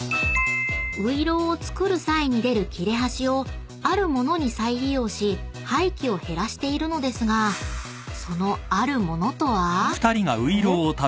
［ういろうを作る際に出る切れ端をある物に再利用し廃棄を減らしているのですがそのある物とは？］